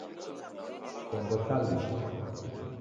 Chongo chalua